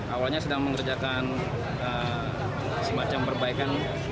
awalnya sedang mengerjakan semacam perbaikan